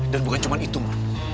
dan bukan cuma itu mom